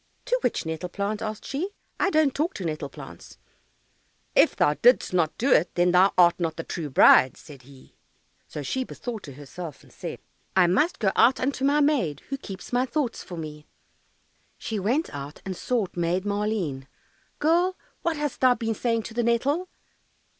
"To which nettle plant?" asked she; "I don't talk to nettle plants." "If thou didst not do it, then thou art not the true bride," said he. So she bethought herself, and said, "I must go out unto my maid, Who keeps my thoughts for me." She went out and sought Maid Maleen. "Girl, what hast thou been saying to the nettle?"